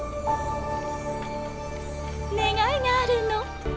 願いがあるの。